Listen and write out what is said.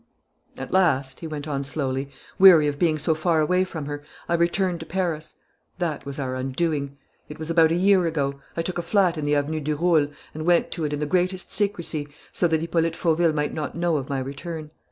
"At last," he went on slowly, "weary of being so far away from her, I returned to Paris. That was our undoing.... It was about a year ago. I took a flat in the Avenue du Roule and went to it in the greatest secrecy, so that Hippolyte Fauville might not know of my return.